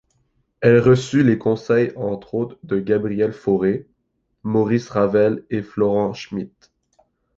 Elle reçut les conseils entre autres de Gabriel Fauré, Maurice Ravel et Florent Schmitt.